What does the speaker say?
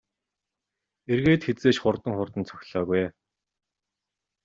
Эргээд хэзээ ч хурдан хурдан цохилоогүй ээ.